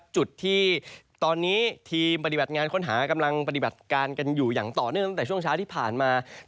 จุดที่ตอนนี้ทีมปฏิบัติงานค้นหากำลังปฏิบัติการกันอยู่อย่างต่อเนื่องตั้งแต่ช่วงเช้าที่ผ่านมา